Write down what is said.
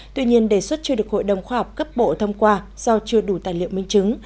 tuy nhiên đề xuất chưa được hội đồng khoa học cấp bộ thông qua do chưa đủ tài liệu minh chứng